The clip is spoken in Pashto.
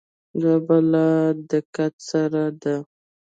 دا په لا دقت سره ده.